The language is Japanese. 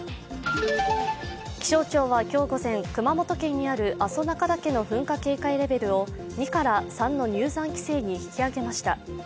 気象庁は今日午前、熊本県にある阿蘇中岳の噴火警戒レベルを２から３の入山規制に引き上げました。